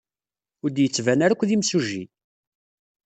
Ur d-yettban ara akk d imsujji.